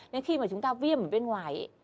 nên khi mà chúng ta viêm ở bên ngoài